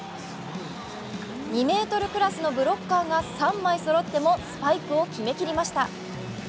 ２ｍクラスのブロッカーが３枚そろってもスパイクを決めきりました。